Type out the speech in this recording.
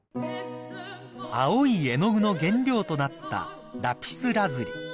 ［青い絵の具の原料となったラピスラズリ］